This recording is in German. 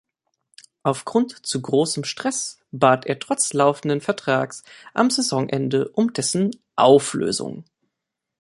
Aufgrund zu großem Stress bat er trotz laufenden Vertrags am Saisonende um dessen Auflösung.